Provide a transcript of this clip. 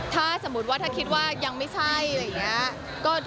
ถ้าสมมุติว่าถ้าคิดว่ายังไม่ใช่อะไรอย่างนี้